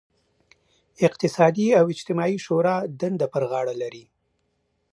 اقتصادي او اجتماعي شورا دنده پر غاړه لري.